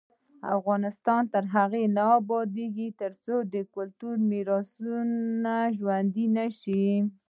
افغانستان تر هغو نه ابادیږي، ترڅو کلتوري میراثونه ژوندي نشي.